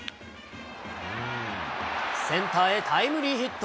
センターへタイムリーヒット。